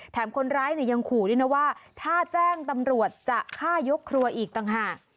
คนร้ายเนี่ยยังขู่ด้วยนะว่าถ้าแจ้งตำรวจจะฆ่ายกครัวอีกต่างหาก